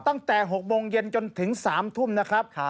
ตั้งแต่๖โมงเย็นจนถึง๓ทุ่มนะครับ